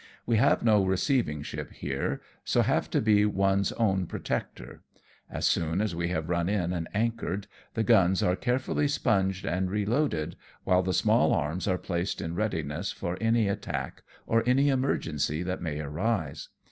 We have no receiving ship here, so have to be one's own protector. As soon as we have run in and anchored, the guns are carefully sponged and reloadedj while the small arms are placed in readiness for any attack, or any emergency that may arise.